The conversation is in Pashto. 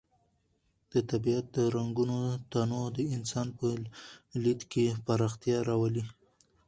د طبیعت د رنګونو تنوع د انسان په لید کې پراختیا راولي.